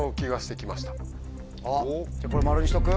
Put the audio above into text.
じゃこれ「○」にしとく？